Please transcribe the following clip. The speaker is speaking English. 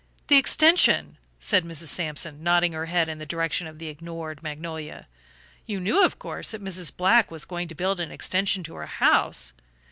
"The extension," said Mrs. Sampson, nodding her head in the direction of the ignored magnolia. "You knew, of course, that Mrs. Black was going to build an extension to her house?